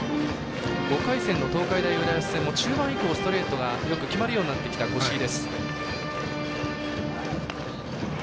５回戦の東海大浦安戦もストレートがよく決まるようになってきた越井。